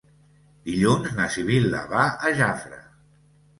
Dilluns na Sibil·la va a Jafre.